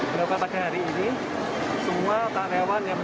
berapa pada hari ini semua pahlawan yang mendapatkan hak thr